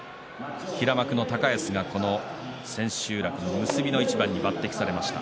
平幕の高安が千秋楽の結びの一番に抜てきされました。